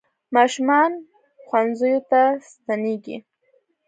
ماشومان ښوونځیو ته ستنېږي.